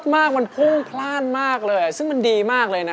มันเน้นมีเน้น